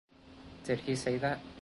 Did he say that?